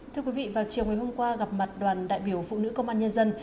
thưa quý vị vào chiều ngày hôm qua gặp mặt đoàn đại biểu phụ nữ công an nhân dân